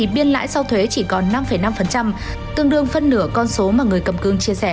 biên lãi sau thuế chỉ còn năm năm tương đương phân nửa con số mà người cầm cương chia sẻ